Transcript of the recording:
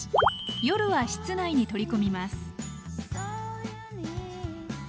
夜は室内に取り込みます